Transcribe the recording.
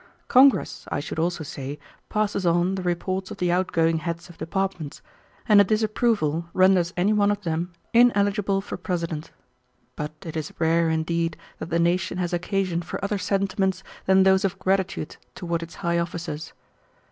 Congress, I should also say, passes on the reports of the outgoing heads of departments, and a disapproval renders any one of them ineligible for President. But it is rare, indeed, that the nation has occasion for other sentiments than those of gratitude toward its high officers.